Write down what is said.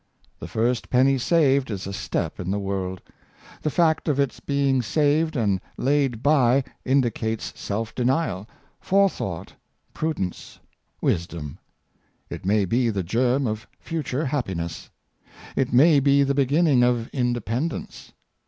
The first penny saved is a step in the world. The fact of its being saved and laid by indicates self denial, forethought, prudence, wisdom. It may be the germ of future happiness. It may be the beginning of independence.